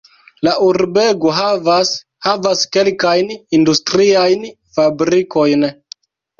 La urbego havas havas kelkajn industriajn fabrikojn.